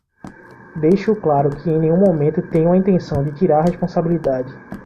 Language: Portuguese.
Deixo claro que em nenhum momento tenho a intenção de tirar a responsabilidade